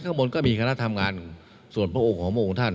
ข้างบนก็มีคณะทำงานส่วนพระองค์ของพระองค์ท่าน